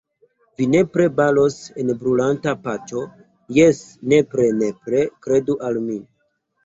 Vi nepre bolos en brulanta peĉo, jes, nepre, nepre, kredu al mi!